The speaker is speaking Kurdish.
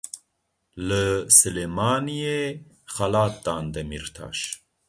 Li Silêmaniyê xelat dan Demirtaş.